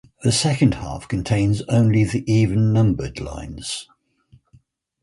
The second half contains only the even-numbered lines.